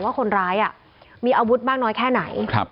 ว่าคนร้ายมีอาวุธมากน้อยแค่ไหน